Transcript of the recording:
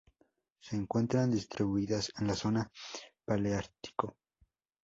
Se encuentran distribuidas en la zona Paleártico.